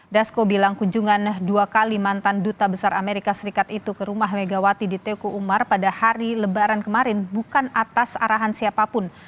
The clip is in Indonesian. dasko bilang kunjungan dua kali mantan duta besar amerika serikat itu ke rumah megawati di teku umar pada hari lebaran kemarin bukan atas arahan siapapun